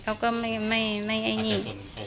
เขาก็ไม่ให้นี่